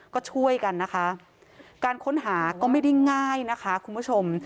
ก็ช่วยกันนะคะการค้นหาก็ไม่ได้ง่ายนะคะคุณผู้ชม